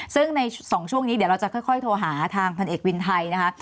ซึ่งใน๒ช่วงนี้เดี๋ยวเราจะค่อยโทรหาทางพันเอกวินไทยนะคะ